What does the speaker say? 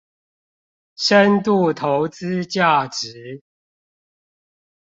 深度投資價值